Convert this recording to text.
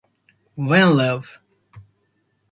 When Rev.